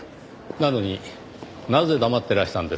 なのになぜ黙ってらしたんですか？